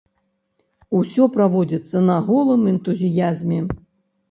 Усё праводзіцца на голым энтузіязме.